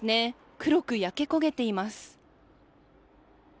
黒く焼け焦げています。